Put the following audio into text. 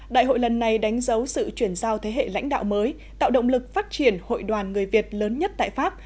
đại hội lần này đánh dấu sự chuyển giao thế hệ lãnh đạo mới tạo động lực phát triển hội đoàn người việt lớn nhất tại pháp